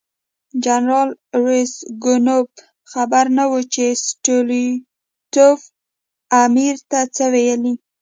جنرال راسګونوف خبر نه و چې ستولیتوف امیر ته څه ویلي.